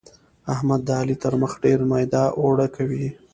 احمد د علي تر مخ ډېر ميده اوړه کوي.